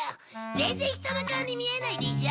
全然人の顔に見えないでしょ？